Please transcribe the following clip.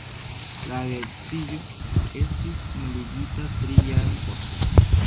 La geedziĝo estis nuligita tri jarojn poste.